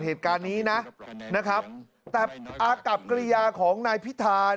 เหตุการณ์นี้นะนะครับแต่อากับกริยาของนายพิธา